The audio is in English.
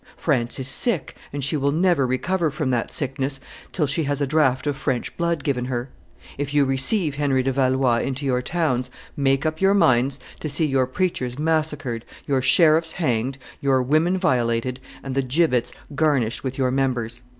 France is sick, and she will never recover from that sickness till she has a draught of French blood given her. ... If you receive Henry de Valois into your towns, make up your minds to see your preachers massacred, your sheriffs hanged, your women violated, and the gibbets garnished with your members."